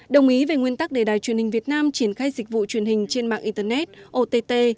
đồng ý về nguyên tắc để đài truyền hình việt nam triển khai dịch vụ truyền hình trên mạng internet ott